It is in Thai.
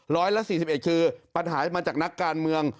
ร้อยละ๔๑คือปัญหามาจากนักการเมือง